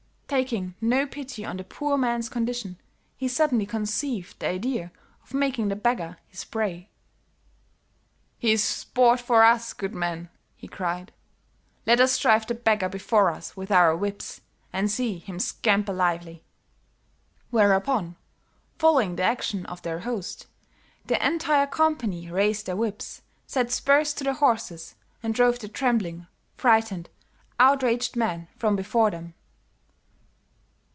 Taking no pity on the poor man's condition, he suddenly conceived the idea of making the beggar his prey. "'Here is sport for us, good men,' he cried. 'Let us drive the beggar before us with our whips, and see him scamper lively.' "Whereupon, following the action of their host, the entire company raised their whips, set spurs to their horses, and drove the trembling, frightened, outraged man from before them.